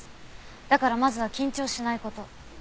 だからまずは緊張しないこと。